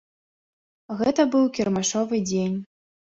Гэта быў кірмашовы дзень.